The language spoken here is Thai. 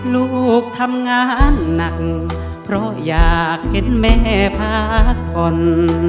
ลูกทำงานหนักเพราะอยากเห็นแม่พักผ่อน